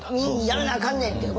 「やらなあかんねん！」っていう。